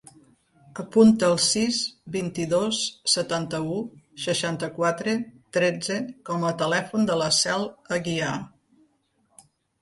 Apunta el sis, vint-i-dos, setanta-u, seixanta-quatre, tretze com a telèfon de la Cel Aguiar.